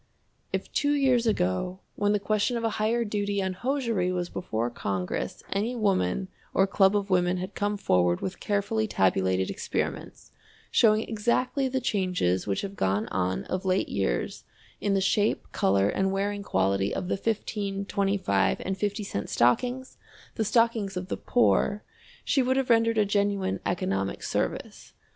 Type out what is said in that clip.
If two years ago when the question of a higher duty on hosiery was before Congress any woman or club of women had come forward with carefully tabulated experiments, showing exactly the changes which have gone on of late years in the shape, color, and wearing quality of the 15 , 25 , and 50 cent stockings, the stockings of the poor, she would have rendered a genuine economic service.